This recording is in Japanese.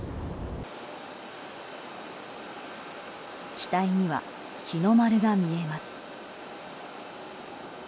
機体には日の丸が見えます。